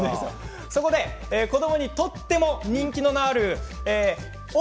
子どもにとっても人気があるお！